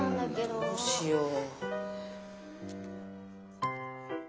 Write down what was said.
どうしよう。